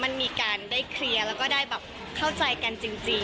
มันมีการได้เคลียร์แล้วก็ได้แบบเข้าใจกันจริง